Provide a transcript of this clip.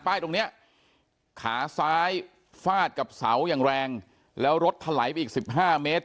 ตรงเนี้ยขาซ้ายฟาดกับเสาอย่างแรงแล้วรถถลายไปอีกสิบห้าเมตร